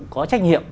có trách nhiệm